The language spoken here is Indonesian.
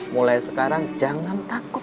mulai sekarang jangan takut